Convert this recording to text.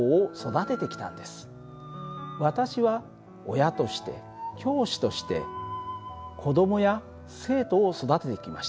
私は親として教師として子どもや生徒を育ててきました。